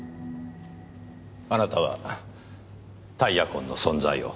あなたはタイヤ痕の存在を。